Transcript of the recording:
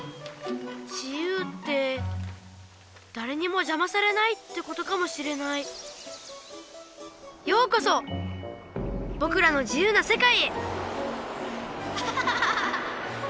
自由ってだれにもじゃまされないってことかもしれないようこそぼくらの自由なせかいへ！